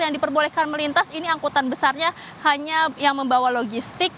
yang diperbolehkan melintas ini angkutan besarnya hanya yang membawa logistik